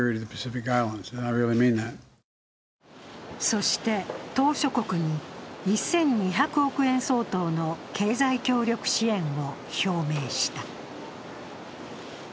そして、島しょ国に１２００億円相当の経済協力支援を表明した。